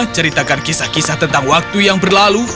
ceritakan kisah kisah tentang waktu yang berlalu